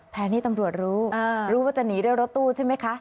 แทนที่ตำรวจรู้รู้ว่าจะหนีด้วยรถตู้ใช่ไหมคะ